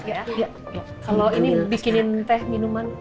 kalau ini bikinin teh minuman